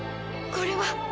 これは？